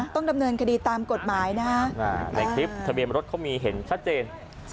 ต้องดำเนินคดีตามกฎหมายนะฮะในคลิปทะเบียนรถเขามีเห็นชัดเจน